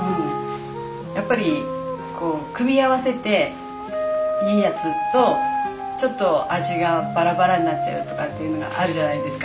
やっぱりこう組み合わせていいやつとちょっと味がバラバラになっちゃうとかっていうのがあるじゃないですか。